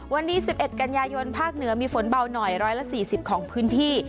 วันนี้สิบเอ็ดกัญญาโยนภาคเหนือมีฝนเบาหน่อยร้อยและสี่สิบของพื้นที่